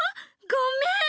ごめん！